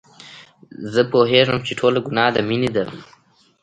زه پوهېږم چې ټوله ګناه د مينې ده.